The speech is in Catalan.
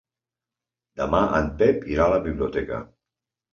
Demà en Pep irà a la biblioteca.